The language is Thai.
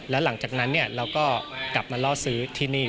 แล้วหลังจากนั้นเราก็กลับมาล่อซื้อที่นี่